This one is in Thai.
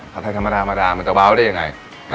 ผัดไทยธรรมดามันเบาอีกได้ยังไง